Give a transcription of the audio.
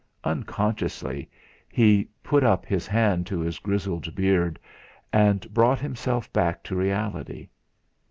Unconsciously he put up his hand to his grizzled beard and brought himself back to reality.